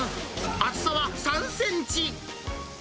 厚さは３センチ。